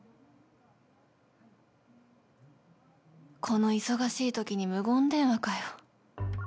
この忙しいときに無言電話かよ